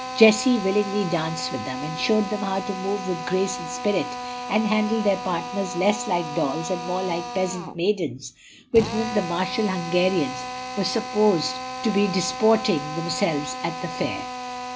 Jessie willingly danced with them, and showed them how to move with grace and spirit, and handle their partners less like dolls and more like peasant maidens with whom the martial Hungarians were supposed to be disporting themselves at the fair.